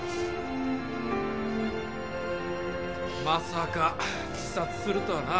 ・まさか自殺するとはな